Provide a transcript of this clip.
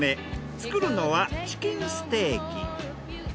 作るのはチキンステーキ。